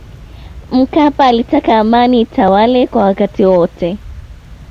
mkapa alitaka amani itawale kwa watu wote